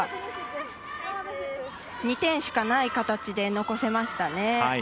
２点しかない形で残せましたね。